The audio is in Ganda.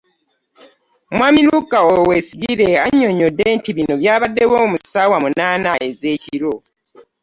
Mwami Luke Owoyesigyire, annyonnyodde nti bino byabaddewo mu ssaawa munaana ez'ekiro